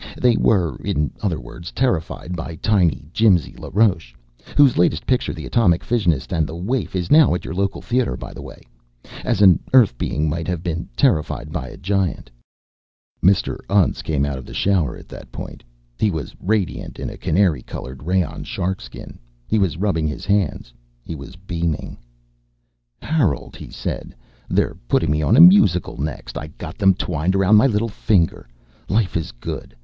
They were, in other words, terrified by tiny Jimsy LaRoche whose latest picture, 'The Atomic Fissionist and the Waif,' is now at your local theatre, by the way as an Earth being might have been terrified by a giant!" Mr. Untz came out of the shower at that point. He was radiant in a canary colored rayon sharkskin. He was rubbing his hands. He was beaming. "Harold," he said, "they're putting me on a musical next. I got them twined around my little finger. Life is good.